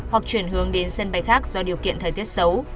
hoặc chuyển hướng đến sân bay khác do điều kiện thời tiết xấu